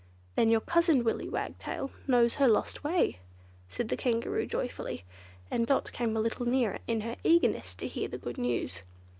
"Then your cousin, Willy Wagtail, knows her lost way," said the Kangaroo joyfully, and Dot came a little nearer in her eagerness to hear the good news.